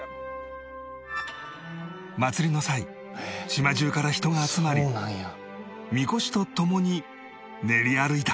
祭りの際島中から人が集まり神輿と共に練り歩いた